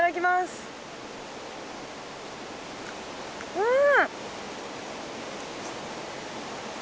うん。